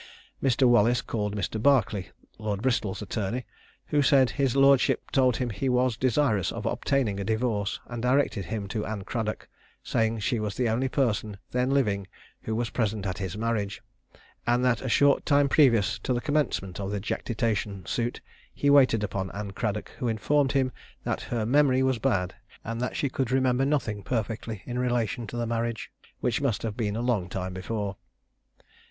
Mr. Wallace called Mr. Berkley, Lord Bristol's attorney, who said his lordship told him he was desirous of obtaining a divorce, and directed him to Anne Cradock, saying she was the only person then living who was present at his marriage; and that a short time previous to the commencement of the jactitation suit, he waited upon Anne Cradock, who informed him that her memory was bad, and that she could remember nothing perfectly in relation to the marriage, which must have been a long time before.